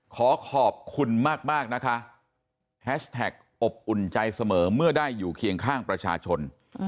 ขอขอบคุณมากนะคะแฮชแท็กอบอุ่นใจเสมอเมื่อได้อยู่เคียงข้างประชาชน